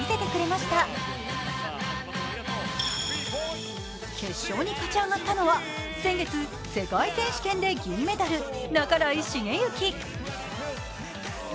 そして決勝に勝ち上がったのは先月、世界選手権で金メダル半井重幸。